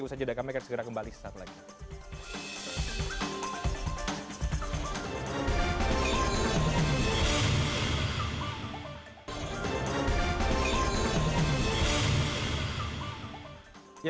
usaha jadagame akan segera kembali sesaat lagi